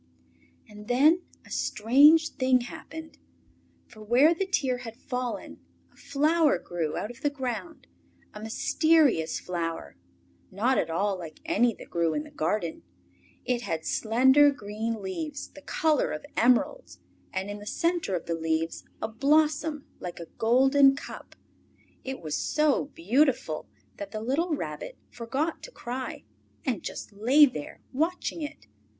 And then a strange thing happened. For where the tear had fallen a flower grew out of the ground, a mysterious flower, not at all like any that grew in the garden. It had slender green leaves the colour of emeralds, and in the centre of the leaves a blossom like a golden cup. It was so beautiful that the little Rabbit forgot to cry, and just lay there watching it.